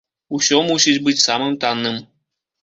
Усё мусіць быць самым танным.